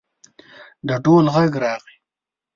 د ډول غږ راغی.